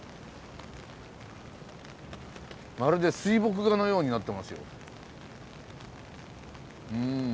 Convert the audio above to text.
まるで水墨画のようになってますよ。